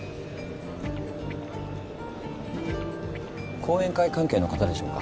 後援会関係の方でしょうか？